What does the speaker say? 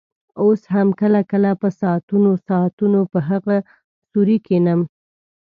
اوس هم کله کله په ساعتونو ساعتونو په هغه سوري کښېنم.